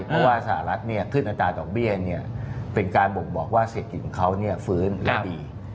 เพราะว่าสหรัฐเนี่ยขึ้นอัตราดอกเบี้ยนี่เป็นการบอกว่าเศรษฐกิจของเขาเนี่ยฟื้นแล้วดี